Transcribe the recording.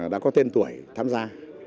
đã có tên tuổi tham gia